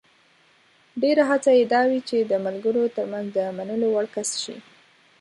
ډېره هڅه یې دا وي چې د ملګرو ترمنځ د منلو وړ کس شي.